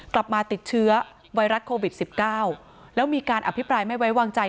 กลับมาติดเชื้อไวรัสโควิด๑๙แล้วมีการอภิปรายไม่ไว้วางใจ